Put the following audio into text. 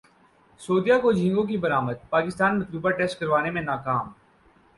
سعودیہ کو جھینگوں کی برامد پاکستان مطلوبہ ٹیسٹ کروانے میں ناکام